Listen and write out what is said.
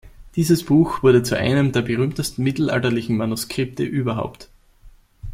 Dieses Buch wurde zu einem der berühmtesten mittelalterlichen Manuskripte überhaupt.